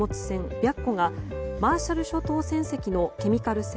「白虎」がマーシャル諸島船籍のケミカル船